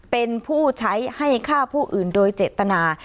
เป็นผู้ใช้ให้ฆ่าผู้อื่นโดยเจตนา